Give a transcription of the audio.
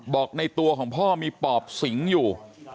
ในตัวของพ่อมีปอบสิงอยู่